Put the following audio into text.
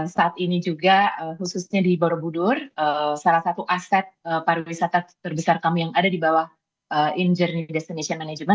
saat ini juga khususnya di borobudur salah satu aset pariwisata terbesar kami yang ada di bawah injourney destination management